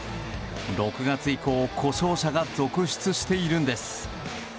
６月以降故障者が続出しているんです。